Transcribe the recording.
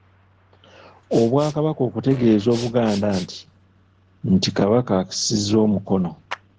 Obwakabaka okutegeeza Obuganda nti nti Kabaka akisizza omukono.